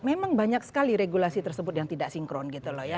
memang banyak sekali regulasi tersebut yang tidak sinkron gitu loh ya